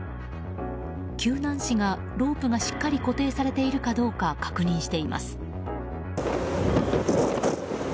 救難士がロープがしっかり固定されているかどうか確認しています。